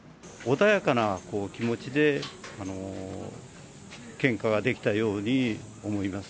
穏やかな気持ちで献花ができたように思います。